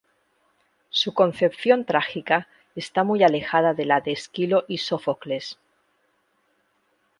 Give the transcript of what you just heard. Su concepción trágica está muy alejada de la de Esquilo y Sófocles.